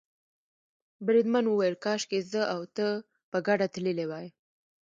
بریدمن وویل کاشکې زه او ته په ګډه تللي وای.